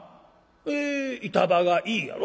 え板場が『イィ』やろ。